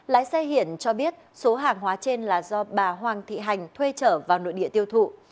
lái xe hiển cho biết số hàng hóa trên là do bà hoàng thị hành thuê trở vào nội địa tiêu thụ